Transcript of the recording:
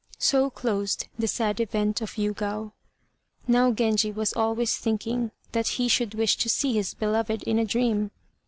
So closed the sad event of Yûgao. Now Genji was always thinking that he should wish to see his beloved in a dream.